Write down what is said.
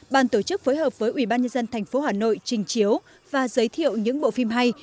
bàn tổ chức phối hợp với ubnd tp hà nội trình chiếu và giới thiệu những bộ phim hay